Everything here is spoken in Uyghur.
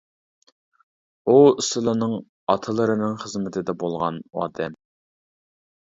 ئۇ سىلىنىڭ ئاتىلىرىنىڭ خىزمىتىدە بولغان ئادەم.